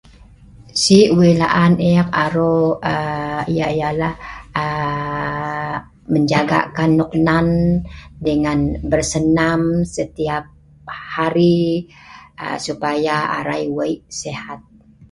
Si nok wei laan ek aro yah nah, jaga noknen arai ngan bersenam supaya arai wei sihat